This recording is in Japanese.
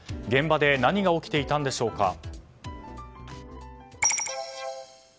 現場で何が起きていたんでしょうか。